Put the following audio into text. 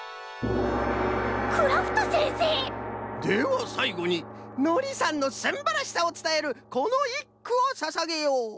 クラフトせんせい！ではさいごにのりさんのすんばらしさをつたえるこのいっくをささげよう。